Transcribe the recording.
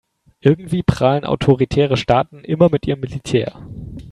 Irgendwie prahlen autoritäre Staaten immer mit ihrem Militär.